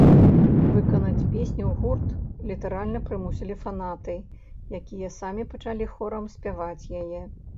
Выканаць песню гурт літаральна прымусілі фанаты, якія самі пачалі хорам спяваць яе.